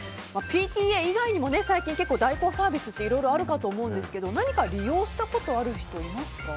ＰＴＡ以外にも最近、代行サービスっていろいろあるかと思うんですが何か利用したことある人いますか。